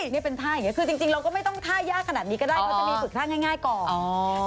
นี่เป็นท่าอย่างนี้คือจริงเราก็ไม่ต้องท่ายากขนาดนี้ก็ได้เขาจะมีฝึกท่าง่ายก่อน